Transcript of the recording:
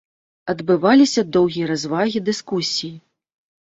Адбываліся доўгія развагі, дыскусіі.